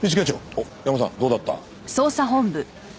おっヤマさんどうだった？